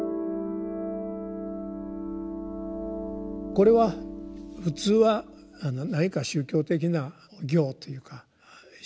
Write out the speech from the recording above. これは普通は何か宗教的な行というか宗教的に良いことをしたらですね